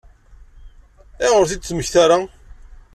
Ayɣer ur t-id-temmekta ara?